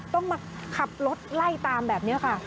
ต้องมาขับรถไล่ตามแบบนี้ค่ะ